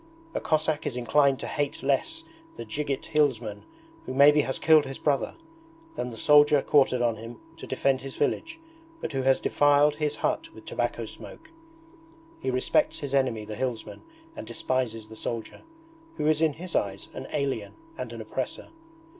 A Cossack is inclined to hate less the dzhigit hillsman who maybe has killed his brother, than the soldier quartered on him to defend his village, but who has defiled his hut with tobacco smoke. He respects his enemy the hillsman and despises the soldier, who is in his eyes an alien and an oppressor.